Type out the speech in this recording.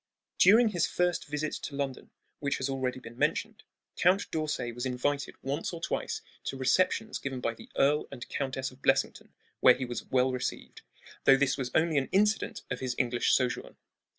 During his firsts visit to London, which has already been mentioned, Count d'Orsay was invited once or twice to receptions given by the Earl and Countess of Blessington, where he was well received, though this was only an incident of his English sojourn.